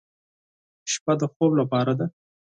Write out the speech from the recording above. شپه د خوب لپاره ده.